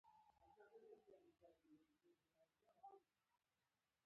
پنځمه مولفه عدم تشدد دی.